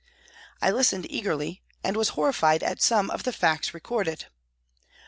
I listened eagerly and was horrified at some of the facts recorded.